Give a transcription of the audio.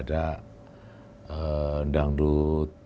ada remik dangdut